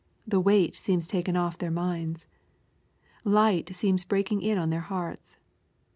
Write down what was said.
The weight seems taken off their minds. Light seems breaking in on their hearts.